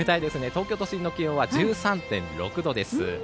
東京都心の気温は１３．６度です。